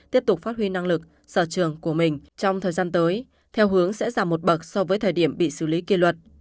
tiếp tục phát huy năng lực sở trường của mình trong thời gian tới theo hướng sẽ giảm một bậc so với thời điểm bị xử lý kỳ luật